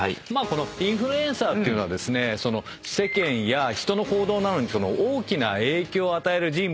このインフルエンサーというのは世間や人の行動などに大きな影響を与える人物っていう意味ですよね。